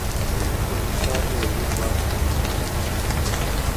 تیمورشاه ته یو لیک واستوي.